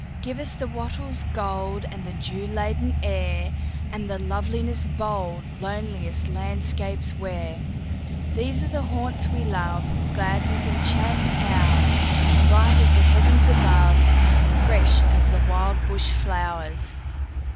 Give us the wattle's goldAnd the dew laden air, And the loveliness boldLoneliest landscapes wear. These are the haunts we love, Glad with enchanted hours, Bright as the heavens above, Fresh as the wild bush flowers.